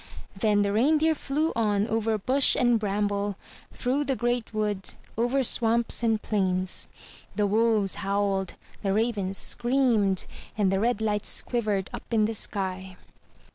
'* Then the Reindeer flew on over bush and bramble, through the great wood, over swamps and plains. The wolves howled, the ravens screamed, and the red lights quivered up in the sky.